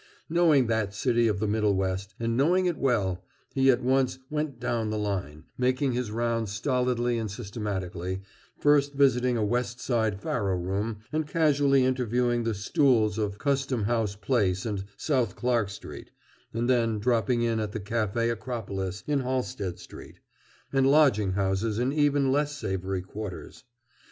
Knowing that city of the Middle West, and knowing it well, he at once "went down the line," making his rounds stolidly and systematically, first visiting a West Side faro room and casually interviewing the "stools" of Custom House Place and South Clark Street, and then dropping in at the Café Acropolis, in Halsted Street, and lodging houses in even less savory quarters.